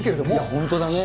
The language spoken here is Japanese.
本当だね。